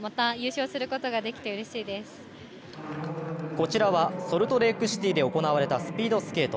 こちらはソルトレークシティーで行われたスピードスケート。